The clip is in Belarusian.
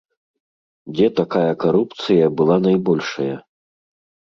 Дзе такая карупцыя была найбольшая?